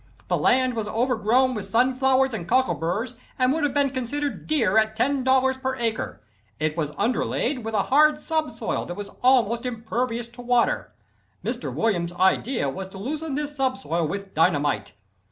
The land was overgrown with sunflowers and cockleburs and would have been considered dear at $10 per acre. It was underlaid with a hard subsoil that was almost impervious to water. Mr. Williams' idea was to loosen this subsoil with dynamite.